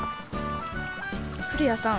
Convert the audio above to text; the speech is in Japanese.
古谷さん！